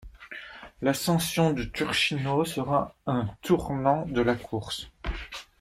L’ascension du Turchino sera un tournant de la course.